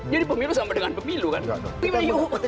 jadi pemilu sama dengan pemilu kan